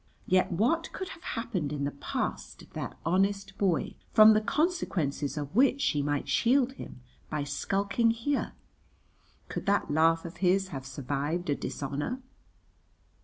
Yet what could have happened in the past of that honest boy from the consequences of which she might shield him by skulking here? Could that laugh of his have survived a dishonour?